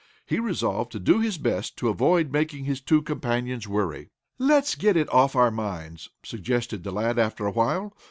He resolved to do his best to avoid making his two companions worry. "Let's get it off our minds," suggested the lad, after a while.